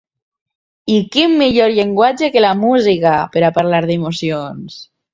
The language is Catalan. I quin millor llenguatge que la música per a parlar d'emocions.